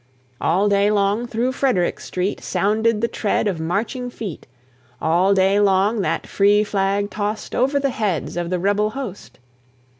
All day long through Frederick street Sounded the tread of marching feet: All day long that free flag tost Over the heads of the rebel host.